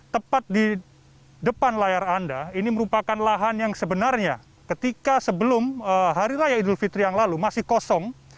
tepat di depan layar anda ini merupakan lahan yang sebenarnya ketika sebelum hari raya idul fitri yang lalu masih kosong